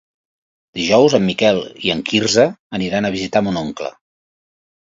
Dijous en Miquel i en Quirze aniran a visitar mon oncle.